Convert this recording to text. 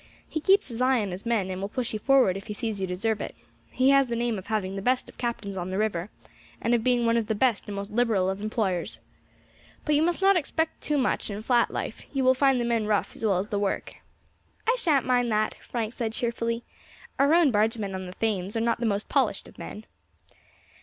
He keeps his eye on his men, and will push you forward if he sees you deserve it. He has the name of having the best of captains on the river, and of being one of the best and most liberal of employers. But you must not expect much in flat life, you will find the men rough as well as the work." "I shan't mind that," Frank said cheerfully; "our own bargemen on the Thames are not the most polished of men."